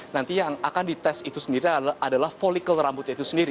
nanti yang akan dites itu sendiri adalah volikel rambutnya itu sendiri